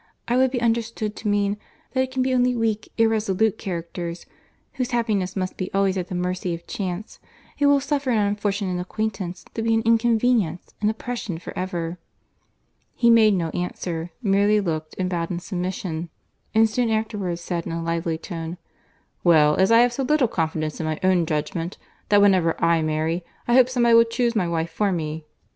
I would be understood to mean, that it can be only weak, irresolute characters, (whose happiness must be always at the mercy of chance,) who will suffer an unfortunate acquaintance to be an inconvenience, an oppression for ever." He made no answer; merely looked, and bowed in submission; and soon afterwards said, in a lively tone, "Well, I have so little confidence in my own judgment, that whenever I marry, I hope some body will chuse my wife for me.